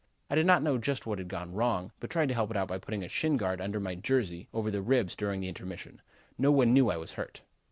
I did not know just what had gone wrong but tried to help it out by putting a shin guard under my jersey over the ribs during the intermission. No one knew I was hurt.